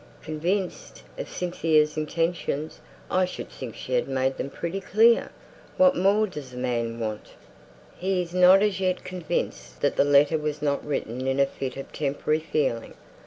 "'Convinced of Cynthia's intentions!' I should think she had made them pretty clear! What more does the man want?" "He's not as yet convinced that the letter wasn't written in a fit of temporary feeling.